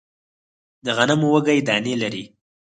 د غنمو وږی دانې لري